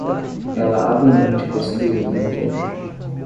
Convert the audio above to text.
Ela habilmente destruiu o brinquedo.